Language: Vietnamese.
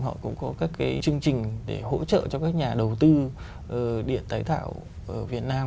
họ cũng có các cái chương trình để hỗ trợ cho các nhà đầu tư điện tái tạo ở việt nam